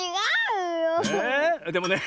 えでもね